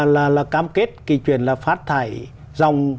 là cam kết kỳ chuyển là phát thải dòng